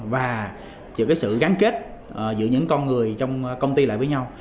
và sự gắn kết giữa những con người trong công ty lại với nhau